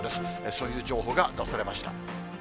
そういう情報が出されました。